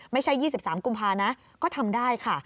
ไม่ใช่๒๓กุมภานะก็ทำได้ค่ะ